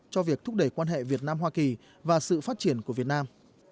cho việc thúc đẩy quan hệ việt nam hoa kỳ và sự phát triển của việt nam